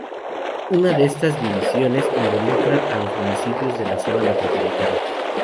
Una de estas divisiones involucra a los municipios de la zona metropolitana.